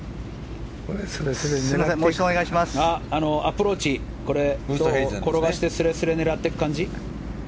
アプローチ、転がしてすれすれを狙っていく感じ？